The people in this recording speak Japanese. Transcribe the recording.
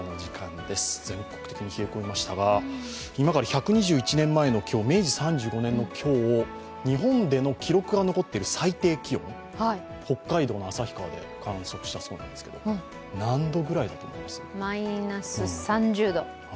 全国的に冷え込みましたが今から１２１年前の今日、明治３５年の今日、日本での記録が残っている最低気温、北海道の旭川で観測したそうなんですけど、何度ぐらいだと思います？